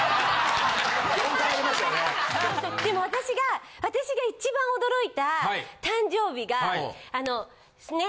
でも私が私が一番驚いた誕生日があのね